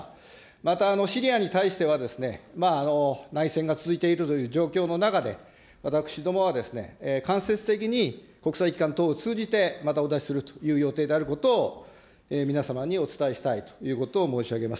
また、シリアに対しては、内戦が続いているという状況の中で、私どもは間接的に国際機関等を通じてまたお出しするという予定であるということを、皆様にお伝えしたいということを申し上げます。